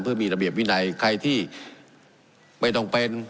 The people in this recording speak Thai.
เพื่อมีระเบียบวินัยใครที่ไม่ต้องเป็น